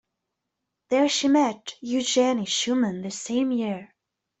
There she met Eugenie Schumann the same year.